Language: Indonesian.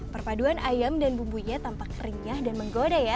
perpaduan ayam dan bumbunya tampak renyah dan menggoda ya